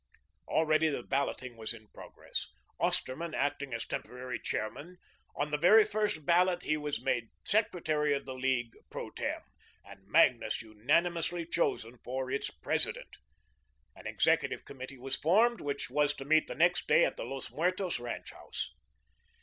Already the balloting was in progress, Osterman acting as temporary chairman on the very first ballot he was made secretary of the League pro tem., and Magnus unanimously chosen for its President. An executive committee was formed, which was to meet the next day at the Los Muertos ranch house.